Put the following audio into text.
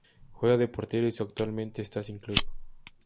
Juega de portero y su actualmente está sin club.